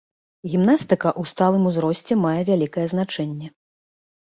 Гімнастыка ў сталым узросце мае вялікае значэнне.